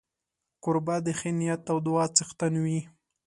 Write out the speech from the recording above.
کوربه د ښې نیت او دعا څښتن وي.